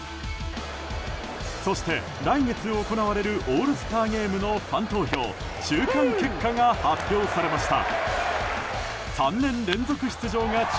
そして来月行われるオールスターゲームのファン投票中間結果が発表されました。